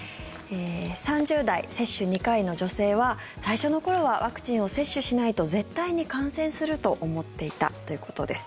３０代、接種２回の女性は最初の頃はワクチンを接種しないと絶対に感染すると思っていたということです。